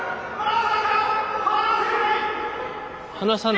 離さない。